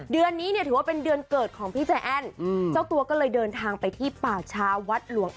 เดือนนี้ถือว่าเดือนเกิดของพี่แจอ้น